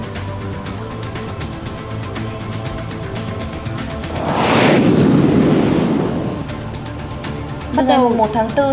bắt đầu một tháng bốn thực hiện giảm năm mươi thuế bảo vệ môi trường đối với xăng dầu và mỡ nhờn